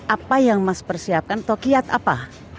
apa yang mas persiapkan atau kiat apa